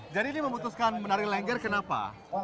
ini memutuskan menari lengger kenapa